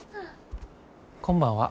こんばんは。